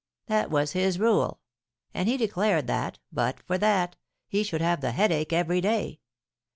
That was his rule; and he declared that, but for that, he should have the headache every day.